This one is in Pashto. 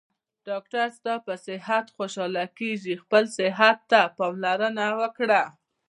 ډاکټر ستاپه صحت خوشحاله کیږي خپل صحته پاملرنه وکړه